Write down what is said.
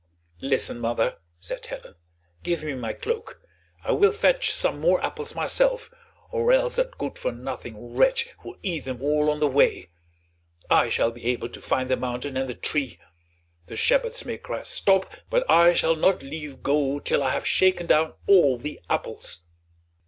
"Listen, mother," said Helen. "Give me my cloak; I will fetch some more apples myself, or else that good for nothing wretch will eat them all on the way. I shall be able to find the mountain and the tree. The shepherds may cry 'Stop,' but I shall not leave go till I have shaken down all the apples."